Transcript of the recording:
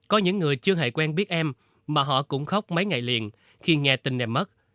có những người chưa hề quen biết em mà họ cũng khóc mấy ngày liền khi nghe tin em mất